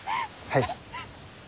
はい。